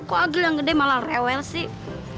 kok agel yang gede malah rewel sih